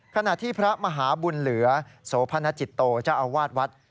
ขณะที่พระมหาบุญเหลือโสพนจิตโตเจ้าอาวาสวัด